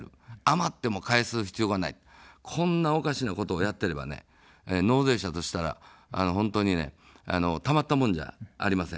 余っても返す必要がない、こんなおかしなことをやってれば納税者としたら本当にたまったもんじゃありません。